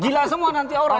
gila semua nanti orang